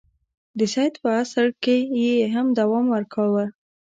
د سید په عصر کې یې هم دوام ورکاوه.